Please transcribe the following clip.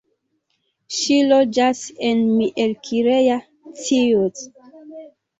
Ŝi loĝas en Miercurea Ciuc.